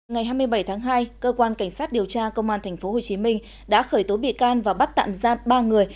ngày hai mươi bảy tháng hai cơ quan cảnh sát điều tra công an tp hcm đã khởi tố bị can và bắt tạm giam ba người